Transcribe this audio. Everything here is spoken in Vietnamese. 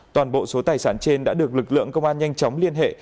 toàn bộ số tài sản trên đã được lực lượng công an nhanh chóng liên hệ